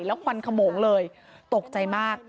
แล้วควันขโมงเลยตกใจมาก